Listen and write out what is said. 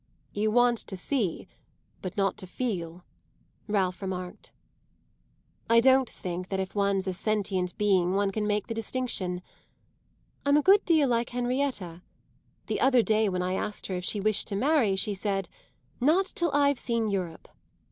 "You want to see, but not to feel," Ralph remarked. "I don't think that if one's a sentient being one can make the distinction. I'm a good deal like Henrietta. The other day when I asked her if she wished to marry she said: 'Not till I've seen Europe!